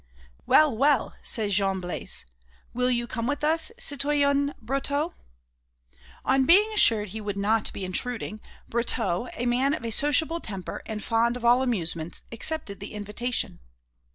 "Well, well," said Jean Blaise, "will you come with us, citoyen Brotteaux?" On being assured he would not be intruding, Brotteaux, a man of a sociable temper and fond of all amusements, accepted the invitation.